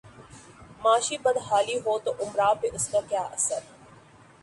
معاشی بدحالی ہو توامراء پہ اس کا کیا اثر؟